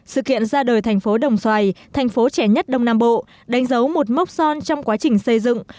sự kiện ra đời thành phố đồng xoài thành phố trẻ nhất đông nam bộ đánh dấu một mốc son trong quá trình xây dựng